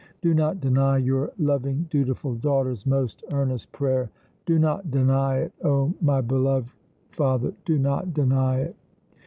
Do not deny your loving, dutiful daughter's most earnest prayer! Do not deny it, oh! my beloved father, do not deny it!"